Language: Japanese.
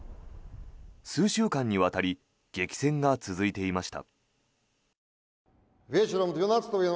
数週間にわたり激戦が続いていました。